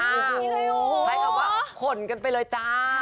ใช้คำว่าขนกันไปเลยจ้า